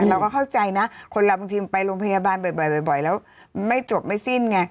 เราก็เข้าใจนะคนเราบางทีไปโรงพยาบาลบ่อยแล้วไม่จบไม่สิ้นไง